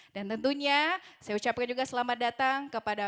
dan tentunya saya ucapkan juga selamat datang kepada